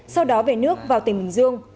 xóa về nước vào tỉnh bình dương